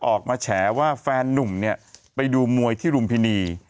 แฉว่าแฟนนุ่มเนี่ยไปดูมวยที่รุมพินี